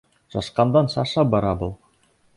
Шашҡандан-шаша бара был...